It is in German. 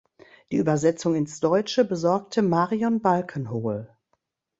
Die Übersetzung ins Deutsche besorgte Marion Balkenhol.